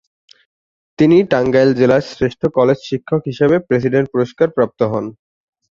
তিনি টাঙ্গাইল জেলার শ্রেষ্ঠ কলেজ শিক্ষক হিসেবে প্রেসিডেন্ট পুরস্কার প্রাপ্ত হন।